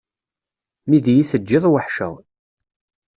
Mi d iyi-teǧǧiḍ weḥceɣ.